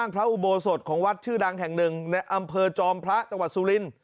พระอุโบสถของวัดชื่อดังแห่งหนึ่งในอำเภอจอมพระจังหวัดสุรินทร์